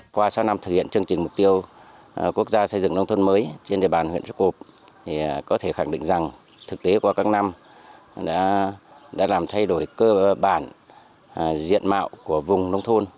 qua sáu năm thực hiện chương trình mục tiêu quốc gia xây dựng nông thôn mới trên địa bàn huyện xuất cộp thì có thể khẳng định rằng thực tế qua các năm đã làm thay đổi cơ bản diện mạo của vùng nông thôn